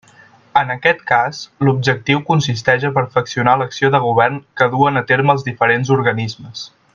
En aquest cas l'objectiu consisteix a perfeccionar l'acció de govern que duen a terme els diferents organismes.